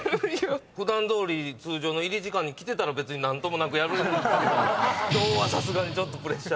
普段どおり通常の入り時間に来てたら別に何ともなくやるんですけど今日はさすがにちょっとプレッシャーで。